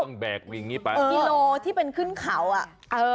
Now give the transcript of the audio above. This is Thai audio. ก็ต้องแบกวิ่งงี้ไปกิโลที่เป็นขึ้นเขาอ่ะ